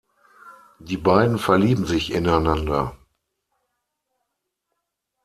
Die beiden verlieben sich ineinander.